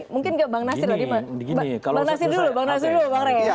mungkin bang nasir dulu bang rey